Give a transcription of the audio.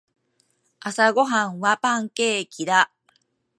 朝ごはんはパンケーキだ。